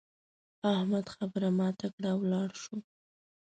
احمد خبره ماته کړه او ولاړ شو.